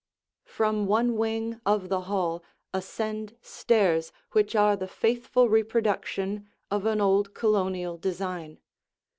From one wing of the hall ascend stairs which are the faithful reproduction of an old Colonial design.